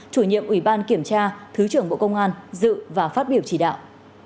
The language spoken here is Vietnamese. chủ nhiệm ủy ban kiểm tra thứ trưởng bộ công an dự và phát biểu chỉ đạo